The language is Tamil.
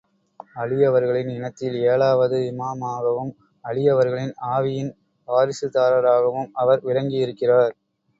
அலி அவர்களின் இனத்தில் ஏழாவது இமாமாகவும் அலி அவர்களின் ஆவியின் வாரிசுதாரராகவும் அவர் விளங்கியிருக்கிறார்.